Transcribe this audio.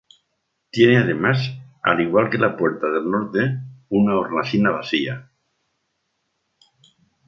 Tiene además, al igual que la puerta del norte, una hornacina vacía.